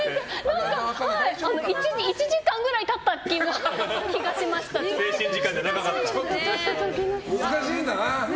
１時間ぐらい経ったかなって難しいんだな。